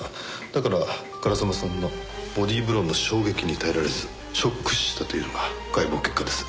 だから烏丸さんのボディーブローの衝撃に耐えられずショック死したというのが解剖結果です。